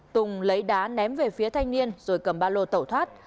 tùng lấy đá ném về phía thanh niên rồi cầm ba lô tẩu thoát